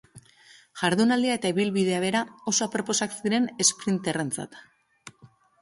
Jardunaldia eta ibilbidea bera oso aproposak ziren esprinterrentzat.